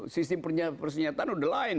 sistem persenjataan udah lain